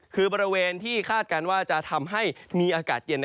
คือบริเวณที่คาดการณ์ว่าจะทำให้มีอากาศเย็น